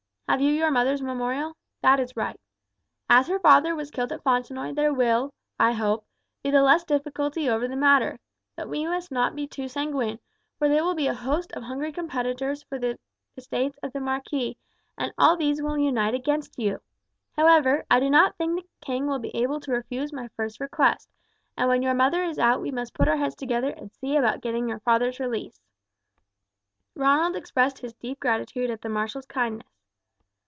Have you your mother's memorial? That is right. As her father was killed at Fontenoy there will, I hope, be the less difficulty over the matter; but we must not be too sanguine, for there will be a host of hungry competitors for the estates of the marquis, and all these will unite against you. However, I do not think the king will be able to refuse my first request, and when your mother is out we must put our heads together and see about getting your father's release." Ronald expressed his deep gratitude at the marshal's kindness.